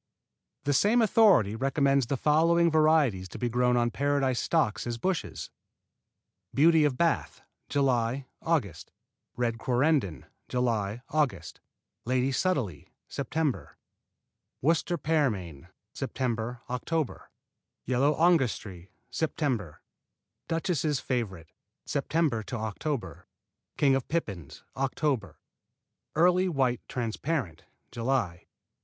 The same authority recommends the following varieties to be grown on Paradise stocks as bushes: Beauty of Bath July, Aug. Red Quarrenden July, Aug. Lady Sudeley Sept. Worcester Pearmain Sept., Oct. Yellow Angestrie Sept. Duchess' Favorite Sept. to Oct. King of the Pippins Oct. Early White Transparent J'ly.